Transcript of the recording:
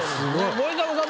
森迫さん